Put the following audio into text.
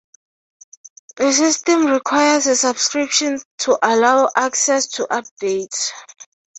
The system requires a subscription to allow access to updates.